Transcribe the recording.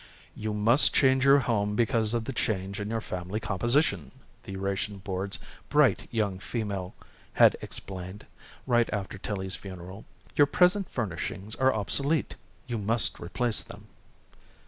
"You must change your home because of the change in your family composition," the Ration Board's bright young female had explained, right after Tillie's funeral. "Your present furnishings are obsolete. You must replace them."